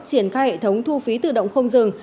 triển khai hệ thống thu phí tự động không dừng